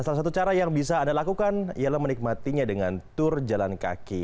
salah satu cara yang bisa anda lakukan ialah menikmatinya dengan tur jalan kaki